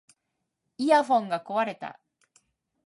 イヤホンが壊れた